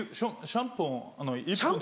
シャンポン？